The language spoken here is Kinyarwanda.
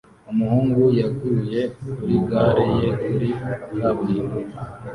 Umuhungu yaguye kuri gare ye kuri kaburimbo